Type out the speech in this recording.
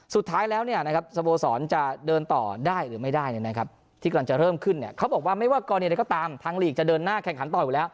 สุดท้ายแล้วเนี่ยนะครับสโมสรจะเดินต่อได้หรือไม่ได้ที่กำลังจะเริ่มขึ้นเนี่ยเขาบอกว่าไม่ว่ากรณีใดก็ตามทางลีกจะเดินหน้าแข่งขันต่ออยู่แล้ว